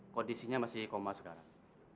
kondisinya masih koma sekarang